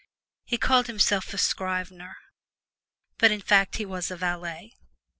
He called himself a scrivener, but in fact he was a valet.